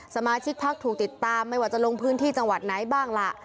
สมาชิกพักถูกติดตามไม่ว่าจะลงพื้นที่จังหวัดไหนบ้างล่ะ